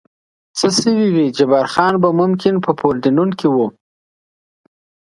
څه شوي وي، جبار خان به ممکن په پورډینون کې و.